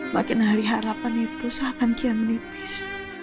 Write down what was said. makin hari harapan itu seakan dia menipis